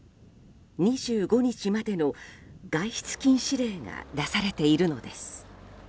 ２５日までの外出禁止令が出されているのです。